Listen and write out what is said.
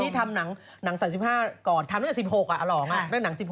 ทำนึงวัน๑๖เมริเมตรมาโอเคจบ